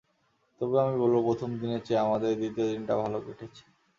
তবু আমি বলব, প্রথম দিনের চেয়ে আমাদের দ্বিতীয় দিনটা ভালোই কেটেছে।